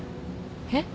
えっ？